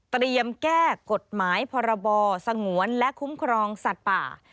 แก้กฎหมายพรบสงวนและคุ้มครองสัตว์ป่า